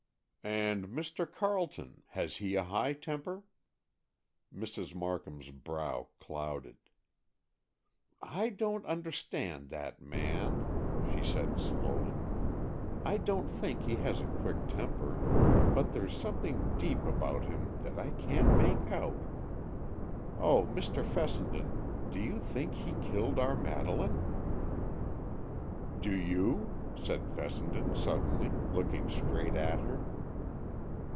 "And Mr. Carleton—has he a high temper?" Mrs. Markham's brow clouded. "I don't understand that man," she said slowly. "I don't think he has a quick temper, but there's something deep about him that I can't make out. Oh, Mr. Fessenden, do you think he killed our Madeleine?" "Do you?" said Fessenden suddenly, looking straight at her.